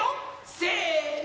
せの！